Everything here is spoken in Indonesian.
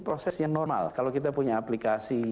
prosesnya normal kalau kita punya aplikasi